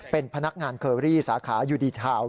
เป็นพนักงานเคอรี่สาขายูดีทาวน์